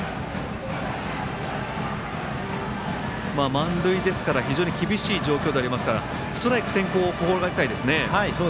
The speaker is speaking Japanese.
満塁ですから厳しい状況ではありますからストライク先行を心がけたいですね。